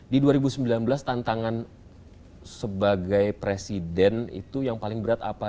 di dua ribu sembilan belas tantangan sebagai presiden itu yang paling berat apa